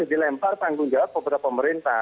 dilempar tanggung jawab kepada pemerintah